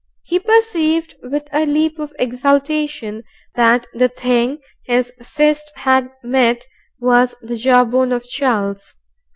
He perceived with a leap of exultation that the thing his fist had met was the jawbone of Charles.